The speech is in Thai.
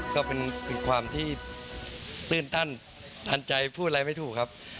ก็เป็นความที่ตื้นตันใจพูดอะไรไม่ถูกครับ